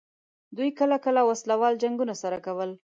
دوی کله کله وسله وال جنګونه سره کول.